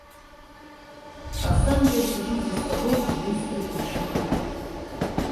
А сам я сижу за столом и быстро пишу.